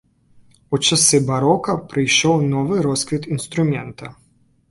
У часы барока прыйшоў новы росквіт інструмента.